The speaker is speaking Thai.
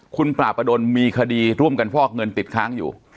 คุณปราบประดนมีคดีร่วมกันฟอกเงินติดค้างอยู่